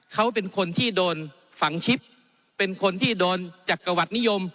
เขาเป็นคนที่โดนฝังชิปเป็นคนที่โดนจักรวรรดนิยม